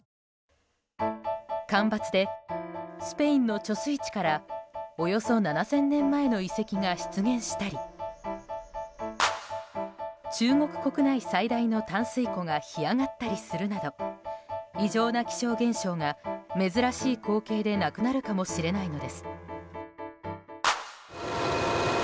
干ばつでスペインの貯水池からおよそ７０００年前の遺跡が出現したり中国国内最大の淡水湖が干上がったりするなど異常な気象現象が珍しい光景でなくなるかもしれないのです。